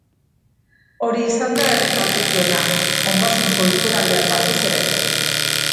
Hori izan da herri kaltetuena, ondasun kulturalean batez ere.